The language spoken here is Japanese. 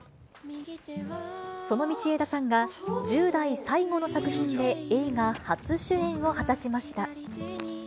その道枝さんが、１０代最後の作品で映画初主演を果たしました。